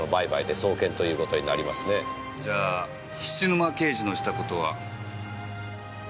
じゃあ菱沼刑事のした事は。